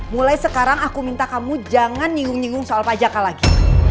mulai sekarang aku minta kamu jangan nyinggung nyinggung soal pajaknya lagi